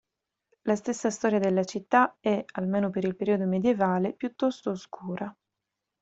La stessa storia della città è, almeno per il periodo medievale, piuttosto oscura.